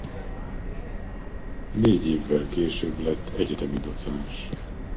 Négy évvel később lett egyetemi docens.